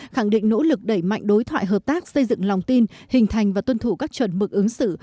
khẳng định nỗ lực đẩy mạnh đối thoại hợp tác xây dựng lòng tin hình thành và tuân thủ các chuẩn mực ứng xử